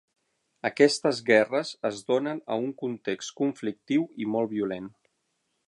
Aquestes guerres es donen a un context conflictiu i molt violent.